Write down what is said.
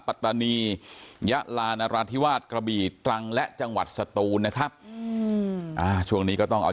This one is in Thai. ปัตตานียะลานราธิวาสกระบีตรังและจังหวัดสตูนนะครับช่วงนี้ก็ต้องเอา